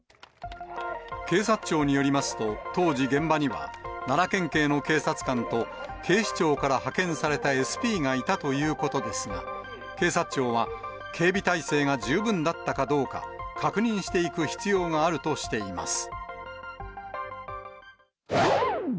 警察庁によりますと、当時現場には、奈良県警の警察官と、警視庁から派遣されたＳＰがいたということですが、警察庁は、警備体制が十分だったかどうか、確認していく必要があるとしています。